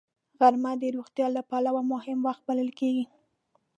غرمه د روغتیا له پلوه مهم وخت بلل کېږي